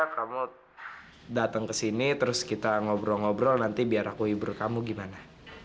kamu datang kesini terus kita ngobrol ngobrol nanti biar aku ibur kamu gimana